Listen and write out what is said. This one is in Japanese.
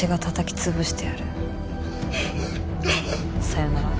さよなら。